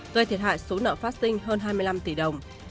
gây thiệt hại số nợ phát sinh hơn hai mươi năm tỷ đồng